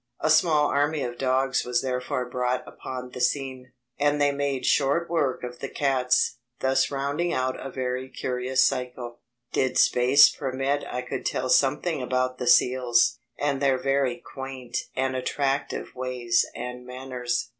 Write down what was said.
A small army of dogs was therefore brought upon the scene, and they made short work of the cats, thus rounding out a very curious cycle. Did space permit I could tell something about the seals, and their very quaint and attractive ways and manners.